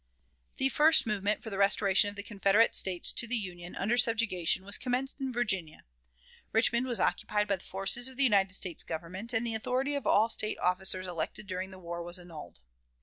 The first movement for the restoration of the Confederate States to the Union under subjugation was commenced in Virginia. Richmond was occupied by the forces of the United States Government, and the authority of all State officers elected during the war was annulled.